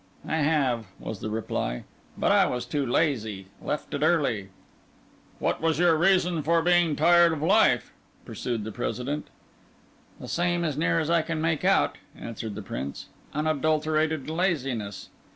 "I have," was the reply; "but I was too lazy, I left it early." "What is your reason for being tired of life?" pursued the President. "The same, as near as I can make out," answered the Prince; "unadulterated laziness."